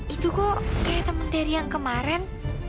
itu kok kayak temen teri yang kemarin